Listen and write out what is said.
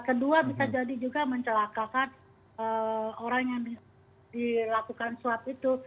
kedua bisa jadi juga mencelakakan orang yang dilakukan swab itu